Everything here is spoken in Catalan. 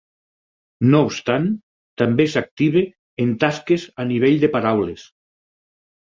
No obstant, també s'activa en tasques a nivell de paraules.